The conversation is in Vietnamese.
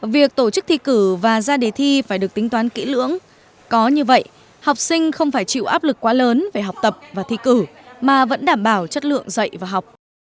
việc tổ chức thi cử và ra đề thi phải được tính toán kỹ lưỡng có như vậy học sinh không phải chịu áp lực quá lớn về học tập và thi cử mà vẫn đảm bảo chất lượng dạy và học